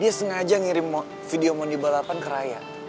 dia sengaja ngirim video moni balapan ke raya